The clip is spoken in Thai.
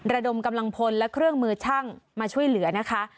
ระดมกำลังพลและเครื่องมือช่างมาช่วยเหลือนะคะ